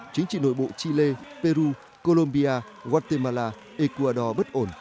chính trị nội bộ chile peru colombia guatemala ecuador bất ổn